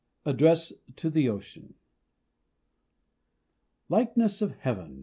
ADDRESS TO THE OCEAN. Likeness of Heaven!